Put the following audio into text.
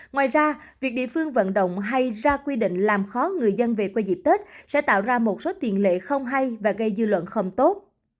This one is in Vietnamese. ngoài ra việc địa phương vận động hay ra quy định làm khó người dân về quê dịp tết sẽ tạo ra một số tiền lệ không hay và gây dư luận không tốt